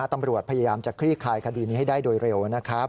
ตำรวจพยายามจะคลี่คลายคดีนี้ให้ได้โดยเร็วนะครับ